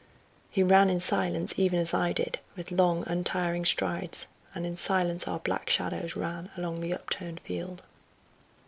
He ran in silence, even as I did, with long untiring strides, and in silence our black shadows ran along the upturned field.